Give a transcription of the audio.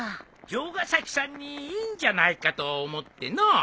城ヶ崎さんにいいんじゃないかと思ってのう。